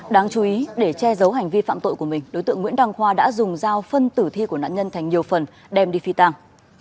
đáng chú ý để che giấu hành vi phạm tội của mình đối tượng nguyễn đăng khoa đã dùng dao phân tử thi của nạn nhân thành nhiều phần đem đi phi tàng